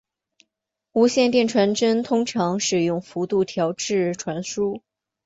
无线电传真通常使用幅度调制传输。